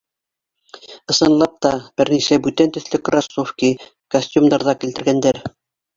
Ысынлап та, бер нисә бүтән төҫлө кроссовки, костюмдар ҙа килтергәндәр.